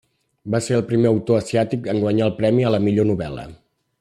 Va ser el primer autor asiàtic en guanyar el premi a la millor novel·la.